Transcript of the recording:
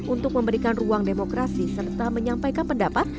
untuk memberikan ruang demokrasi serta menyampaikan pendapat